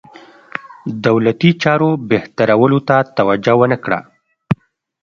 دولتي چارو بهترولو ته توجه ونه کړه.